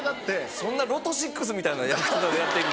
そんなロト６みたいなやり方でやってるの？